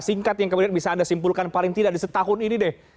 singkat yang kemudian bisa anda simpulkan paling tidak di setahun ini deh